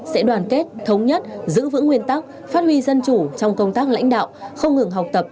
sẽ đoàn kết thống nhất giữ vững nguyên tắc phát huy dân chủ trong công tác lãnh đạo không ngừng học tập